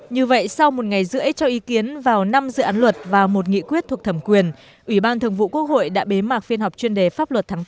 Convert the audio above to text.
như vậy sau một ngày rưỡi cho ý kiến vào năm dự án luật và một nghị quyết thuộc thẩm quyền ủy ban thường vụ quốc hội đã bế mạc phiên họp chuyên đề pháp luật tháng bốn